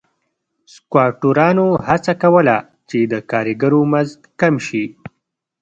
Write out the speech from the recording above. سکواټورانو هڅه کوله چې د کارګرو مزد کم شي.